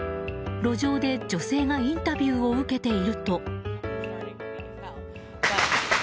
路上で女性がインタビューを受けていると。